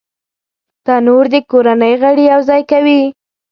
تنور د کورنۍ غړي یو ځای کوي